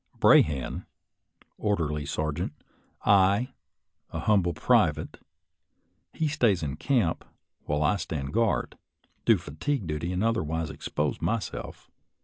Brahan, orderly sergeant; I, a humble private; he stays in camp, while I stand guard, do fatigue duty, and otherwise expose myself.